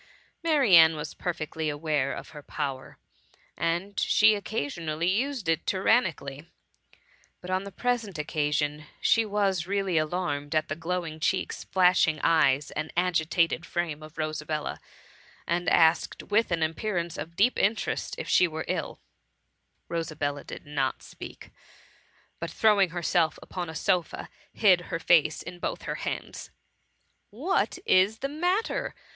Marianne was perfectly aware of her power, and she occasionally used it ty rannically, but on the present occasion she was really alarmed at the glowing cheeks, flashing eyes, and agitated frame of Rosabella, and ask ed with an appearance of deep interesti if she were ill. 9S THE MUMMY. Rosabella did not speak, but throwing her self upon a sofa, hid her face in both lier hands. What is the matter?"